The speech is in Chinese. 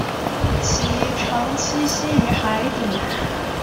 其常栖息于海底。